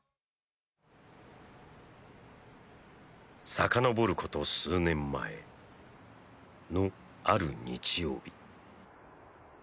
遡ること数年前のある日曜日